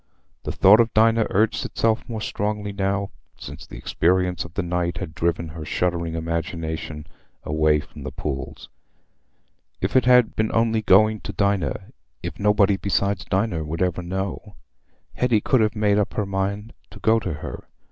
The thought of Dinah urged itself more strongly now, since the experience of the night had driven her shuddering imagination away from the pool. If it had been only going to Dinah—if nobody besides Dinah would ever know—Hetty could have made up her mind to go to her.